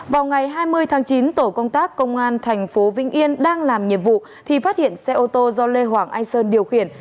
vào ngày hai mươi tháng chín tổ công tác công an thành phố vĩnh yên đang làm nhiệm vụ thì phát hiện xe ô tô do lê hoàng anh sơn điều khiển